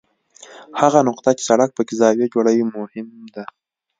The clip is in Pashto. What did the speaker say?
هغه نقطه چې سړک پکې زاویه جوړوي مهم ده